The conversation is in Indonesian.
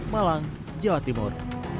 malang jawa timur